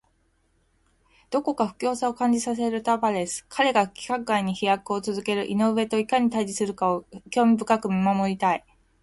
どこか不敵さを感じさせるタパレス。彼が規格外に飛躍を続ける井上といかに対峙するかを興味深く見守りたい。